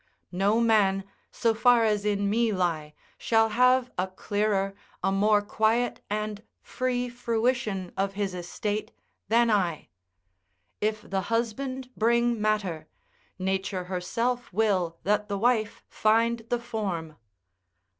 No man, so far as in me lie, shall have a clearer, a more quiet and free fruition of his estate than I. If the husband bring matter, nature herself will that the wife find the form.